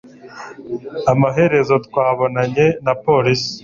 Amaherezo, twabonanye na polisi.